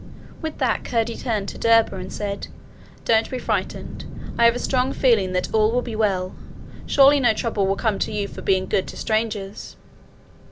With that Curdie turned to Derba, and said: 'Don't be frightened. I have a strong feeling that all will be well. Surely no trouble will come to you for being good to strangers.'